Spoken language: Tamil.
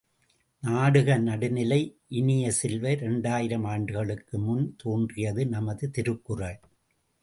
நாடுக நடுநிலை இனிய செல்வ, இரண்டாயிரம் ஆண்டுகளுக்கு முன் தோன்றியது நமது திருக்குறள்.